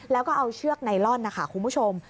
แล้วก็เอาเชือกไนลอนนะคะคุณผู้ชม